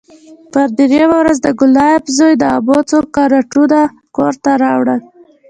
پر درېيمه ورځ د ګلاب زوى د امو څو کرېټونه کور ته راوړل.